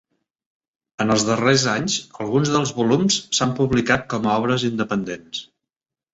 En els darrers anys alguns dels volums s'han publicat com a obres independents.